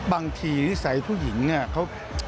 บางทีนิสัยผู้หญิงอะ